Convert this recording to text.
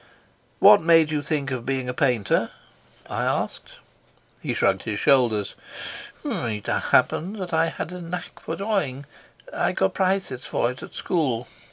"What made you think of being a painter?" I asked. He shrugged his shoulders. "It happened that I had a knack for drawing. I got prizes for it at school.